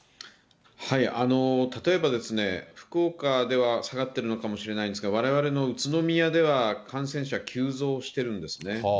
例えばですね、福岡では下がってるのかもしれないんですが、われわれの宇都宮では、感染者急増してるんですね。